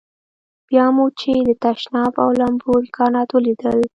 بیا مو چې د تشناب او لمبو امکانات ولیدل.